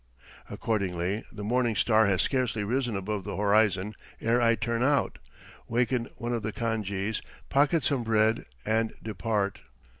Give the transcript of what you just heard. Accordingly, the morning star has scarcely risen above the horizon ere I turn out, waken one of the khan jees, pocket some bread and depart.